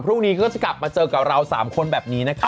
พรุ่งนี้ก็จะกลับมาเจอกับเรา๓คนแบบนี้นะคะ